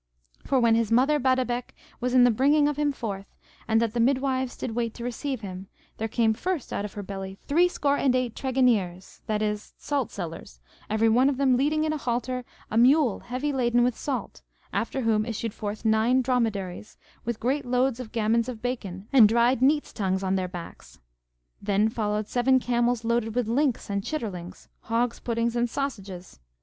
For when his mother Badebec was in the bringing of him forth, and that the midwives did wait to receive him, there came first out of her belly three score and eight tregeneers, that is, salt sellers, every one of them leading in a halter a mule heavy laden with salt; after whom issued forth nine dromedaries, with great loads of gammons of bacon and dried neat's tongues on their backs. Then followed seven camels loaded with links and chitterlings, hogs' puddings, and sausages.